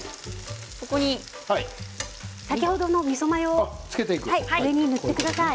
ここに先ほどのみそマヨを塗ってください。